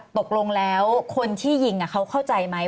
ตกลงแล้วคนที่ยิงเขาเข้าใจไหม